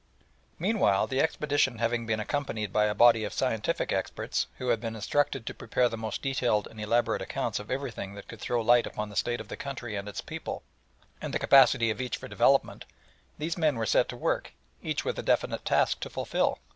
Meanwhile, the expedition having been accompanied by a body of scientific experts, who had been instructed to prepare the most detailed and elaborate accounts of everything that could throw light upon the state of the country and its people, and the capacity of each for development, these men were set to work, each with a definite task to fulfil.